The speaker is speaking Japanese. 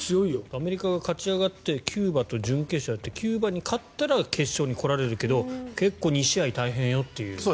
アメリカが勝ち上がってキューバと準決勝をやってキューバに勝ったら決勝に来られるけど結構大変よという。